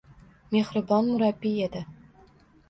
Mehribon murabbiy edi